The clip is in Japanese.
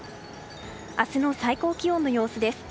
明日の最高気温の様子です。